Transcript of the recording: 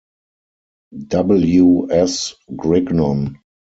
W. S. Grignon.